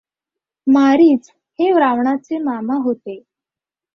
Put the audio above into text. मारिच हे रावणाचे मामा होते.